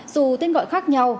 dù tên gọi khác nhau